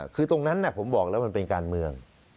คือตรงนั้นผมบอกแล้วมันเป็นการเมือง